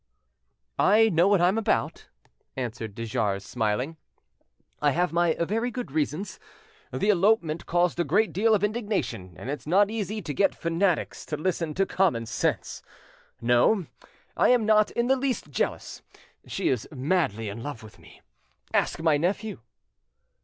"I know what I'm about," answered de Jars, smiling; "I have my very good reasons. The elopement caused a great deal of indignation, and it's not easy to get fanatics to listen to common sense. No, I am not in the least jealous; she is madly in love with me. Ask my nephew."